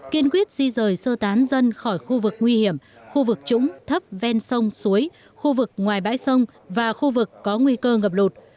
kiên quyết di rời sơ tán dân khỏi khu vực nguy hiểm khu vực trũng thấp ven sông suối khu vực ngoài bãi sông và khu vực có nguy cơ ngập lụt